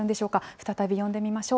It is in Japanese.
再び呼んでみましょう。